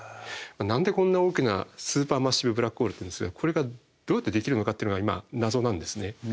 何でこんな大きなスーパーマッシブブラックホールっていうんですけどこれがどうやってできるのかっていうのは今謎なんですね。